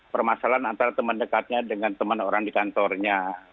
permasalahan antara teman dekatnya dengan teman orang di kantornya